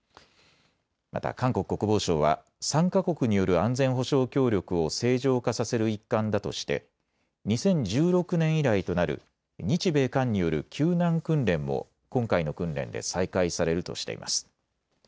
また韓国国防省は３か国による安全保障協力を正常化させる一環だとして２０１６年以来となる日米韓による救難訓練も今回の訓練で再開されるとしています。